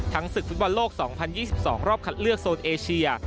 ศึกฟุตบอลโลก๒๐๒๒รอบคัดเลือกโซนเอเชีย